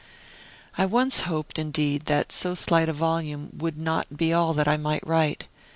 I once hoped, indeed, that so slight a volume would not be all that I might write.